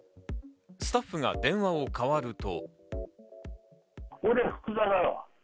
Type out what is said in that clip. スタッフが電話を代わると。